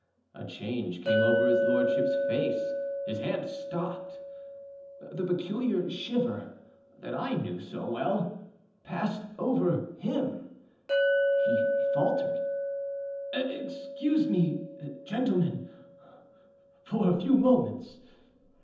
A change came over his Lordshipâs face; his hand stopped; the peculiar shiver, that I knew so well, passed over him; he faltered, âExcuse me, gentlemen, for a few moments.